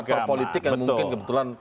aktor politik yang mungkin kebetulan